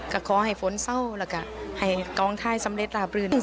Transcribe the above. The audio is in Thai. ก็ขอให้ฝนเศร้าแล้วก็ให้กองถ่ายสำเร็จราบรื่น